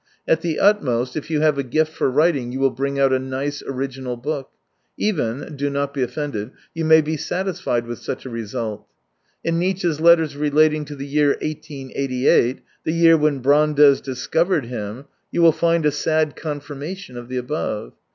At the utmost, if you have a gift for writing you will bring out a nice original book. Even — do not be offended — you may be satisfied with such a result. In Nietzsche's letters relating to the year 1888, the year when Brandes dis covered him, you will find a sad confirma tion of the above.